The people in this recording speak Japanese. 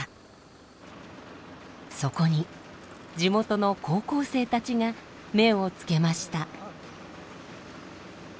そこに地元の高校生たちが目を付けました。